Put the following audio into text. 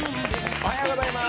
おはようございます。